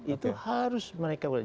itu harus mereka boleh